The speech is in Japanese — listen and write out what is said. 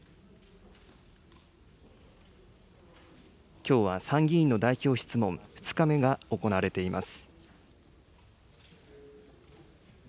きょうは参議院の代表質問、２日目が行われています。